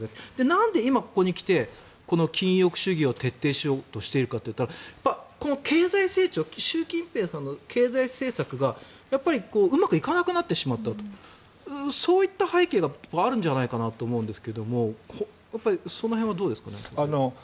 なんで今ここに来て、禁欲主義を徹底しようとしているかというと経済成長習近平さんの経済政策がうまくいかなくなってしまったとそういった背景があるんじゃないかなと思うんですがその辺はどうですかね。